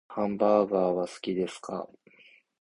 ハンバーガーは好きですか？